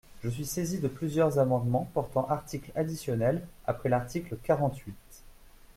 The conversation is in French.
Je suis saisi de plusieurs amendements portant article additionnel après l’article quarante-huit.